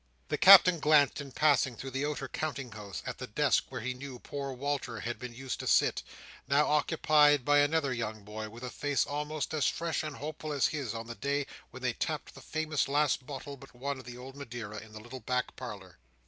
The Captain glanced, in passing through the outer counting house, at the desk where he knew poor Walter had been used to sit, now occupied by another young boy, with a face almost as fresh and hopeful as his on the day when they tapped the famous last bottle but one of the old Madeira, in the little back parlour.